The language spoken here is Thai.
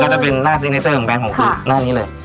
ก็จะเป็นหน้าซิงเนเจอร์ของแบรนด์ของขึ้นหน้านี้เลย